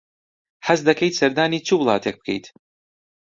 حەز دەکەیت سەردانی چ وڵاتێک بکەیت؟